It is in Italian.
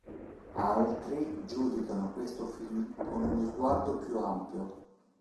Altri giudicano questo film con uno sguardo più ampio.